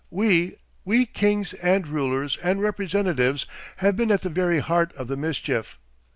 We—we kings and rulers and representatives have been at the very heart of the mischief.